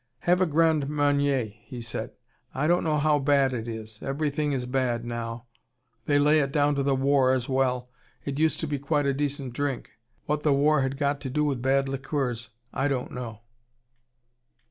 "Have a Grand Marnier," he said. "I don't know how bad it is. Everything is bad now. They lay it down to the war as well. It used to be quite a decent drink. What the war had got to do with bad liqueurs, I don't know."